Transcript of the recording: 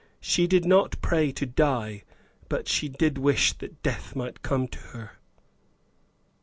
She did not pray to die, but she did wish that death might come to her.